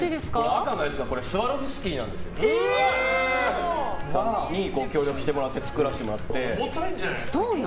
赤のやつはスワロフスキーさんに協力してもらって作らせてもらって。